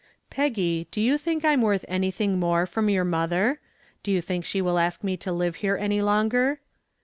"Peggy, do you think I'm worth anything more from your mother? Do you think she will ask me to live here any longer?"